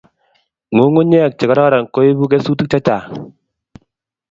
nyungunye che kororon ko ibu kesutik che chang